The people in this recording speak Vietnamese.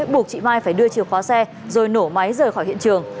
buộc chị mai phải đưa chìa khóa xe rồi nổ máy rời khỏi hiện trường